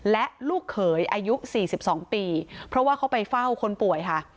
และลูกเขยอายุ๔๒ปีเพราะว่าเขาไปเฝ้าคนป่วยค่ะ